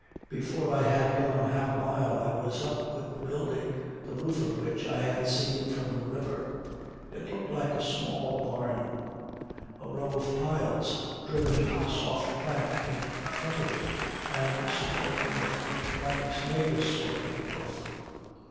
Before I had gone half a mile, I was up with the building the roof of which I had seen from the river. It looked like a small barn. A row of piles driven into the soft bank in front of it and supporting a few planks made a sort of wharf.